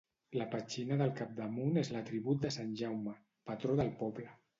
La petxina del capdamunt és l'atribut de sant Jaume, patró del poble.